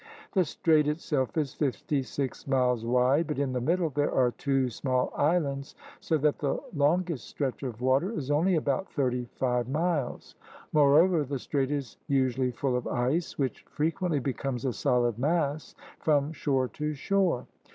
The Strait itself is fifty six miles wide, but in the middle there are two small islands so that the longest stretch of water is only about thirty five THE APPROACHES TO AMERICA 17 miles. Moreover the Strait is usually full of ice, which frequently becomes a solid mass from shore to shore.